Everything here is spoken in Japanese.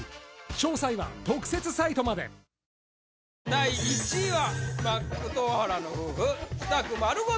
第１位は。